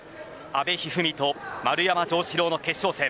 阿部一二三と丸山城志郎の決勝戦。